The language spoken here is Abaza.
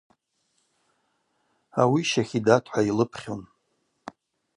Ауи Щахидат – хӏва йлыпхьун.